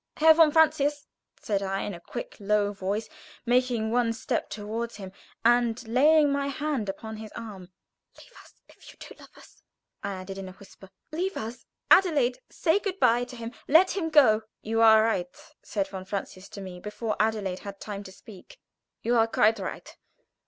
"Herr von Francius," said I, in a quick, low voice, making one step toward him, and laying my hand upon his arm, "leave us! If you do love us," I added, in a whisper, "leave us! Adelaide, say good bye to him let him go!" "You are right," said von Francius to me, before Adelaide had time to speak; "you are quite right."